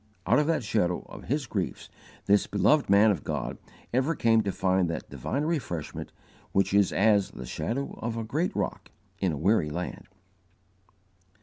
Out of the shadow of his griefs this beloved man of God ever came to find that divine refreshment which is as the "shadow of a great rock in a weary land."